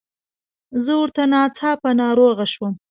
زه ورته ناڅاپه ناروغه شوم.